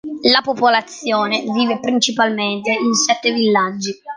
La popolazione vive principalmente in sette villaggi.